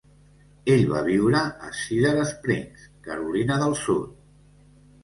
Ell va viure a Cedar Springs, Carolina del Sud.